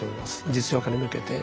実用化に向けて。